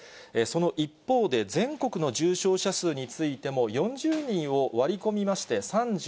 その一方で、全国の重症者数についても、４０人を割り込みまして、３６人。